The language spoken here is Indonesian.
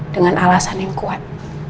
dengan alasan yang kuat